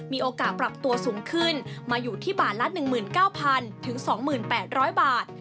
มีโอกาสปรับตัวสูงขึ้นมาอยู่ที่บาทละ๑๙๐๐๒๘๐๐บาท